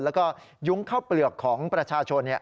แล้วก็ยุ้งข้าวเปลือกของประชาชน